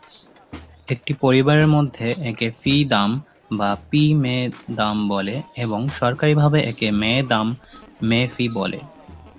একটি পরিবারের মধ্যে একে ফি দাম বা পি মে দাম বলে এবং সরকারিভাবে একে মে দাম মে ফি বলে।